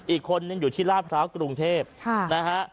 อีกคนนึงอยู่ที่ลาดพร้าวกรุงเทพนะฮะ